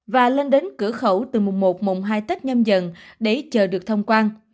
và lên đến cửa khẩu từ mùng một mùng hai tết nhâm dần để chờ được thông quan